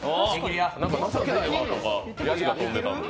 「情けないわ」とかヤジが飛んでたので。